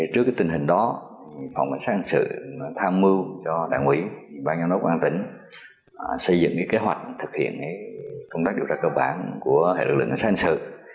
trước tình hình đó phòng xã hội xã hội tham mưu cho đảng ủy bác nhân đốc bác tỉnh xây dựng kế hoạch thực hiện công tác điều tra cơ bản của hệ lực lực xã hội xã hội xã hội